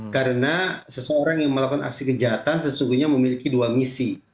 karena seseorang yang melakukan aksi kejahatan sesungguhnya memiliki dua misi